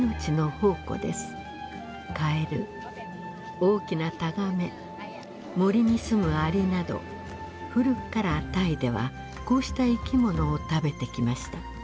カエル大きなタガメ森に住むアリなど古くからタイではこうした生き物を食べてきました。